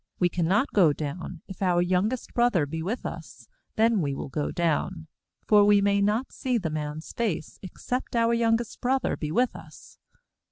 We cannot go down; if our young est brother be with us, then will we go down; for we may not see the man's face, except our youngest broth er be with us.